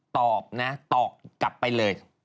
ตอบนะตอบกลับไปเลย